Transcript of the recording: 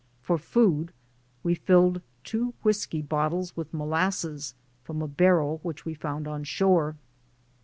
For food we filled two whisky bottles with molasses from a barrel which we found on shore.